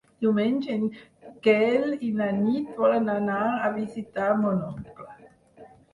Diumenge en Quel i na Nit volen anar a visitar mon oncle.